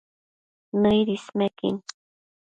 Nëid ismequin